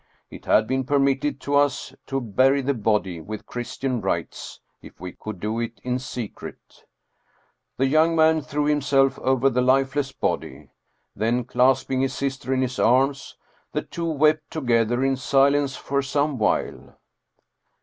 It had been permitted to us to bury the body with Christian rites, if we could do it in secret. The young man threw himself over the lifeless body. Then, clasping his sister in his arms, the two wept together in silence for some while.